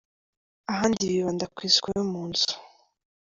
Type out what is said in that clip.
Ahandi bibanda ni ku isuku yo mu nzu.